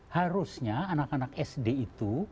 harusnya anak anak sd itu